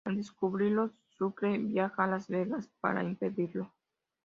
Al descubrirlo, Sucre viaja a Las Vegas para impedirlo.